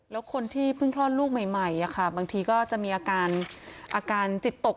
แล้วคนที่เพิ่งคลอดลูกใหม่อ่ะค่ะบางทีก็จะมีอาการจิตตก